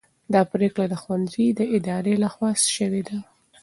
دا پرېکړه د ښوونځي د ادارې لخوا سوې ده.